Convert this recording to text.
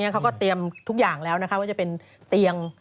เขาก็เตรียมทุกอย่างแล้วว่าจะเป็นเตียง